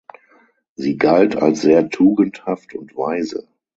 Sie galt als sehr tugendhaft und weise.